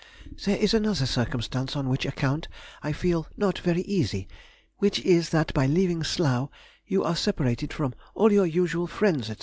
There is another circumstance on which account I feel not very easy, which is that by leaving Slough you are separated from all your usual friends, &c.